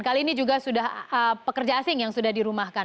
kali ini juga sudah pekerja asing yang sudah dirumahkan